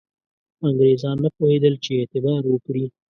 انګرېزان نه پوهېدل چې اعتبار وکړي.